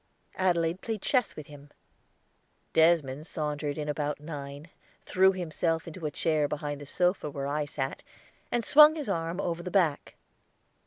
Adelaide played chess with him. Desmond sauntered in about nine, threw himself into a chair behind the sofa where I sat, and swung his arm over the back.